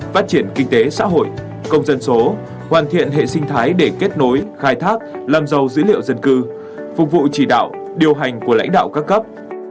phát triển kinh tế xã hội công dân số hoàn thiện hệ sinh thái để kết nối khai thác làm giàu dữ liệu dân cư phục vụ chỉ đạo điều hành của lãnh đạo các cấp